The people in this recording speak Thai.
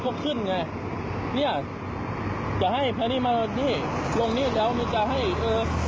พวกขึ้นไงเนี่ยจะให้แพะนี้มารถนี่ลงนี้แล้วมีจะให้เออ